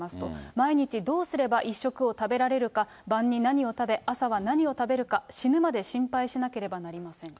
毎日どうすれば１食を食べられるか、晩に何を食べ、朝は何を食べるか、死ぬまで心配しなければなりませんと。